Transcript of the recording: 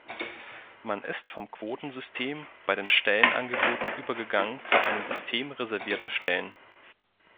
Man ist vom Quotensystem bei den Stellenangeboten übergegangen zu einem System reservierter Stellen.